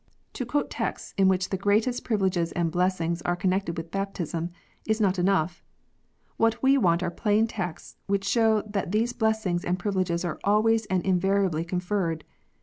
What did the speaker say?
To quote texts in which the BAPTISM. 105 greatest privileges and blessings are connected with baptism, is not enough. What we want are plain texts which show that these blessings and privileges are always and invariably con ferred.